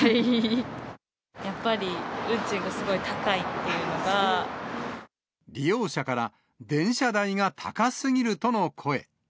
やっぱり運賃がすごい高いっ利用者から、電車代が高すぎるとの声。